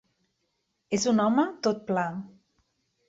És un home tot pla.